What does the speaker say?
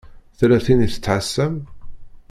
Tella tin i tettɛasam?